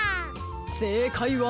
せいかいは。